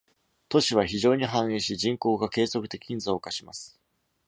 都市は非常に繁栄し、人口が継続的に増加します。